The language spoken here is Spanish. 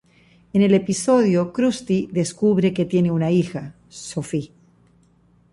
En el episodio, Krusty descubre que tiene una hija, Sophie.